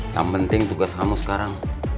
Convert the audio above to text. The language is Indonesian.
yang penting tugas kamu sekarang